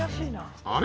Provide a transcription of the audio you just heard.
あれ？